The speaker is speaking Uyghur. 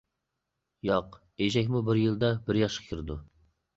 -ياق، ئېشەكمۇ بىر يىلدا بىر ياشقا كىرىدۇ.